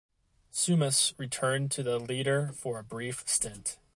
Seumas returned to the "Leader" for a brief stint.